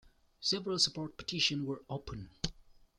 Several support petitions were opened.